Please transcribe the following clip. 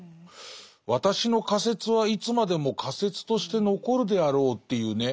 「私の仮説はいつまでも仮説として残るであらう」っていうね。